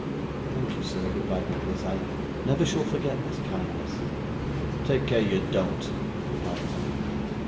'Thank you, sir,' replied Nicholas; 'I never shall forget this kindness.' 'Take care you don't,' replied his uncle.